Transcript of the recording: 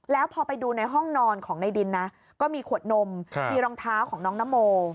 แล้วพอไปดูในห้องนอนของในดินนะก็มีขวดนมมีรองเท้าของน้องนโม